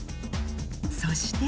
そして。